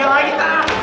tidak tidak tidak